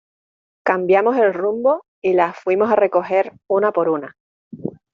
cambiamos el rumbo y las fuimos a recoger una por una